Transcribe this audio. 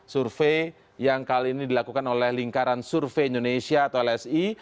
survei yang kali ini dilakukan oleh lingkaran survei indonesia atau lsi